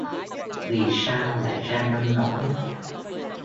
vì sao lại ra nông nỗi